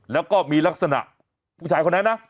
แล้วก็มีลักษณะผู้ชายคนนั้นนะ